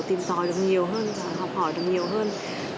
tìm tòi được nhiều hơn học hỏi được nhiều hơn